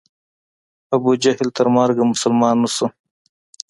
ابو جهل تر مرګه مسلمان نه سو.